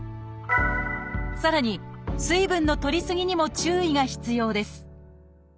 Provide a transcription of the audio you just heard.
さらに水分のとりすぎにも注意が必要です